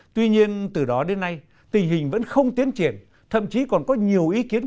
tuy nhiên từ đó đến nay tình hình vẫn không tiến triển thậm chí còn có nhiều ý kiến